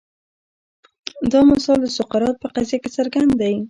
دا مثال د سقراط په قضیه کې څرګند دی.